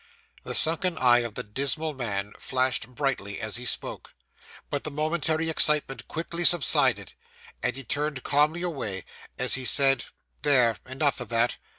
The sunken eye of the dismal man flashed brightly as he spoke, but the momentary excitement quickly subsided; and he turned calmly away, as he said 'There enough of that.